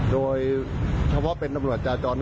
โดยเฉพาะเป็นตำรวจจาจร